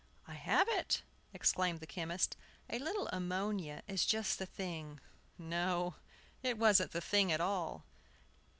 "I have it!" exclaimed the chemist, "a little ammonia is just the thing!" No, it wasn't the thing at all.